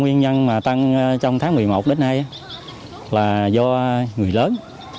nguyên nhân mà tăng trong tháng một mươi một đến nay là do người lớn